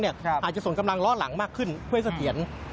อาจจะส่วนกำลังล้อหลังมากขึ้นเพื่อเสถียร